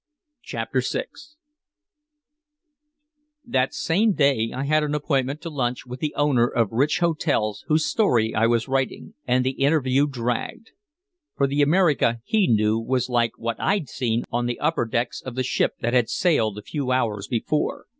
CHAPTER VI That same day I had an appointment to lunch with the owner of rich hotels whose story I was writing. And the interview dragged. For the America he knew was like what I'd seen on the upper decks of the ship that had sailed a few hours before.